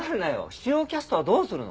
主要キャストはどうするの？